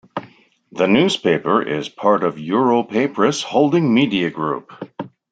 The newspaper is part of Europapress Holding media group.